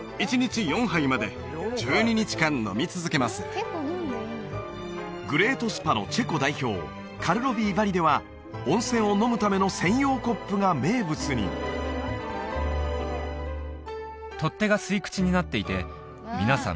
ホントにでもうんやっぱり何かグレート・スパのチェコ代表「カルロヴィ・ヴァリ」では温泉を飲むための専用コップが名物に取っ手が吸い口になっていて皆さん